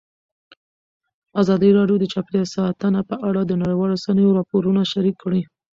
ازادي راډیو د چاپیریال ساتنه په اړه د نړیوالو رسنیو راپورونه شریک کړي.